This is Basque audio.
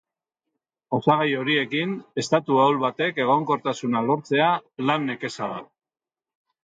Osagai horiekin estatu ahul batek egonkortasuna lortzea lan nekeza da.